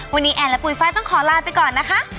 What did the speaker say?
วันนี้แอนและปุ๋ยไฟล์ต้องขอลาไปก่อนนะคะ